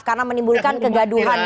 karena menimbulkan kegaduhan